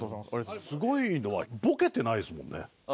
すごいのはボケてないですもんね。